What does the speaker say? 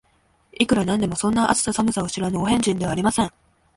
いくら何でも、そんな、暑さ寒さを知らぬお変人ではありません